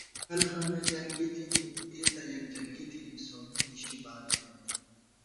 ڈل خانہ جنگی تھنی اِتےتہ یَکجنگی تھنی سومّی نِشی بانِمېت